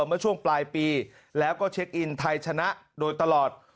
เมื่อช่วงปลายปีแล้วก็เช็คอินไทยชนะโดยตลอด